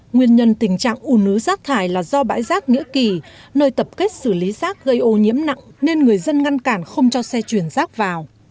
nguyên nhân tình trạng ủ nứ rác thải là do bãi rác nghĩa kỳ nơi tập kết xử lý rác gây ô nhiễm nặng nên người dân ngăn cản không cho xe chuyển rác vào